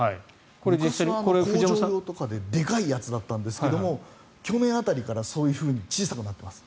昔は工場用とかででかいやつだったんですが去年辺りからそういうふうに小さくなっています。